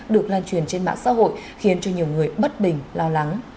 được lan truyền trên mạng xã hội khiến cho nhiều người bất bình lo lắng